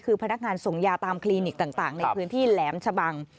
คือพนักงานส่งยาตามคลินิกต่างในพื้นที่แหลมชะบัง